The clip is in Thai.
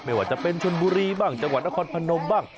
ไม่ว่าจะเป็นชนบุรีบ้างจังหวัดนครพนมบ้าง